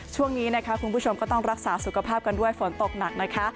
ช่วงนี้นะคะคุณผู้ชมก็ต้องรักษาสุขภาพกันด้วยฝนตกหนักนะคะ